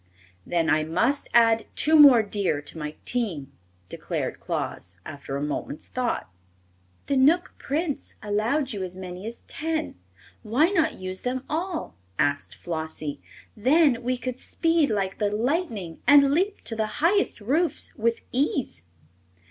"Then I must add two more deer to my team," declared Claus, after a moment's thought. "The Knook Prince allowed you as many as ten. Why not use them all?" asked Flossie. "Then we could speed like the lightning and leap to the highest roofs with ease."